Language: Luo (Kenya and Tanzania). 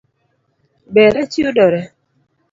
Be rech yudore?